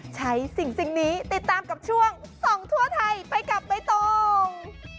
ใช้สิ่งนี้ติดตามกับช่วงส่องทั่วไทยไปกับใบตอง